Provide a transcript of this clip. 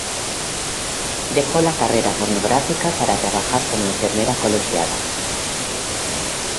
Dejó la carrera pornográfica para trabajar como enfermera colegiada.